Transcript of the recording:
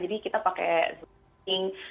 jadi kita pakai